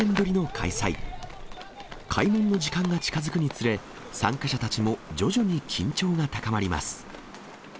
開門の時間が近づくにつれ、参加者たちも徐々に緊張が高まります。